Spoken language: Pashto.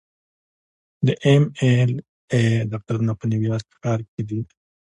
د ایم ایل اې دفترونه په نیویارک ښار کې دي.